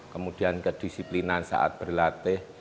kemudian kedisiplinan saat berlatih